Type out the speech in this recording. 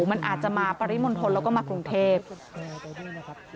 มันอาจจะมาปริมณฑลแล้วก็มากรุงเทพ